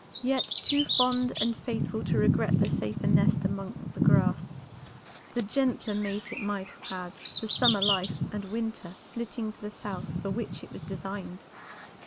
Yet, too fond and faithful to regret the safer nest among the grass, the gentler mate it might have had, the summer life and winter flitting to the south for which it was designed."